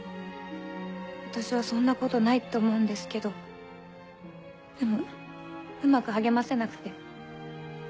私はそんなことないと思うんですけどでもうまく励ませなくて。